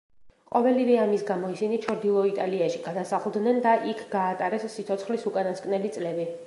ყოველივე ამის გამო ისინი ჩრდილო იტალიაში გადასახლდნენ და იქ გაატარეს სიცოცხლის უკანასკნელი წლები.